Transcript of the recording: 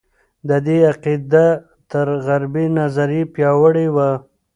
د دې عقیده تر غربي نظریې پیاوړې وه.